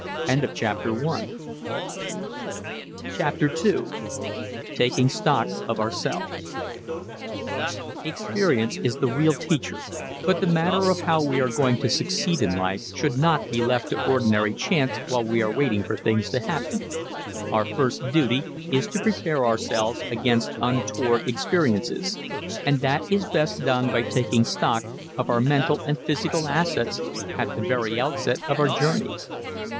_ CHAPTER II TAKING STOCK OF OURSELVES Experience is the real teacher, but the matter of how we are going to succeed in life should not be left to ordinary chance while we are waiting for things to happen. Our first duty is to prepare ourselves against untoward experiences, and that is best done by taking stock of our mental and physical assets at the very outset of our journey.